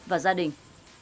và gia đình